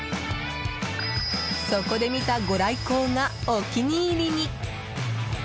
そこで見た御来光がお気に入りに！